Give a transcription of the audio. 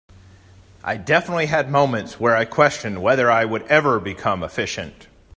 I definitely had moments where I questioned whether I would ever become efficient.